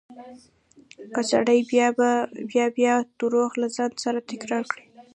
که سړی بيا بيا درواغ له ځان سره تکرار کړي.